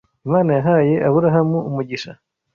Imana yahaye Aburahamu umugisha